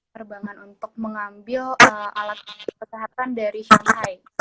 terbangan untuk mengambil alat kesehatan dari shanghai